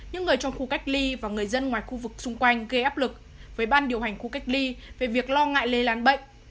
những người trong khu cách ly và người dân ngoài khu vực xung quanh gây áp lực với ban điều hành khu cách ly về việc lo ngại lây lan bệnh